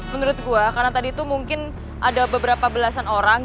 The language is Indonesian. menurut gua karena tadi itu mungkin ada beberapa belasan orang